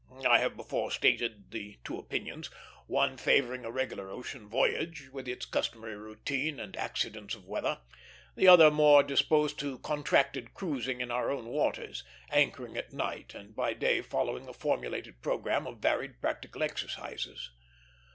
I have before stated the two opinions: one favoring a regular ocean voyage, with its customary routine and accidents of weather; the other more disposed to contracted cruising in our own waters, anchoring at night, and by day following a formulated programme of varied practical exercises.